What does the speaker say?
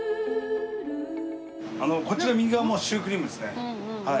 こちら右側はもうシュークリームですねはい。